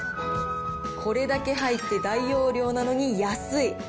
これだけ入って大容量なのに安い。